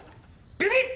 ビビッ！